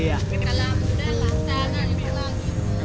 กลางปี